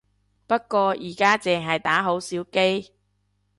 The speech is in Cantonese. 不過而家淨係打好少機